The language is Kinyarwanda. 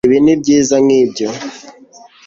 Ibi nibyiza nkibyo